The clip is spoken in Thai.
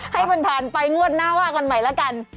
ให้มันผ่านไปงวดหน้าว่ากันใหม่แล้วกัน